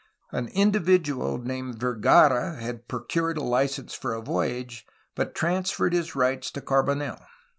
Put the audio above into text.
An individual named Vergara had procured a license for a voyage, but transferred his rights to Carbonel.